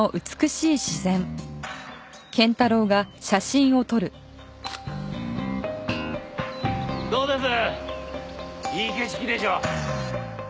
いい景色でしょ？